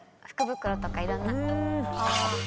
福袋とかいろんな。